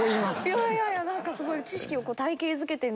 いやいやいや何かすごい。